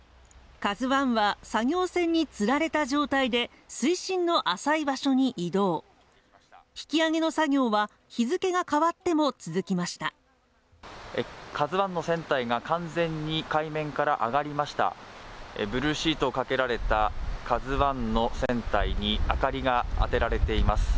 「ＫＡＺＵ１」は作業船につられた状態で水深の浅い場所に移動引き揚げの作業は日付が変わっても続きました「ＫＡＺＵ１」の船体が完全に海面から上がりましたブルーシートをかけられた「ＫＡＺＵ１」の船体に灯りが当てられています